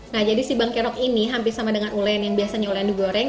nah jadi si bangkerok ini hampir sama dengan ulen yang biasanya ulen digoreng